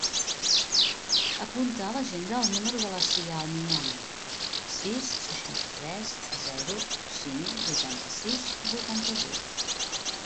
Apunta a l'agenda el número de la Sia Almiñana: sis, seixanta-tres, zero, cinc, vuitanta-sis, vuitanta-vuit.